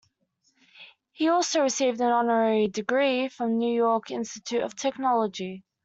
He also received an honorary degree from New York Institute of Technology.